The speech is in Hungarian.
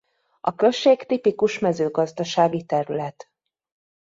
A község tipikus mezőgazdasági terület.